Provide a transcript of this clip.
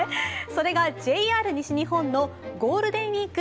それがＪＲ西日本のゴールデンウィーク